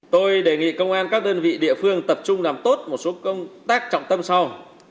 tôi đề nghị công an các đơn vị địa phương tập trung làm tốt một số công tác trọng tâm sau